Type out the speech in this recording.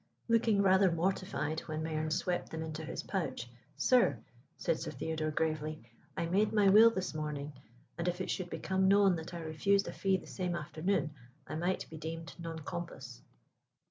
Looking rather mortified when Mayerne swept them into his pouch, "Sir." said Sir Theodore, gravely, "I made my will this morning, and if it should become known that I refused a fee the same afternoon I might be deemed non compos."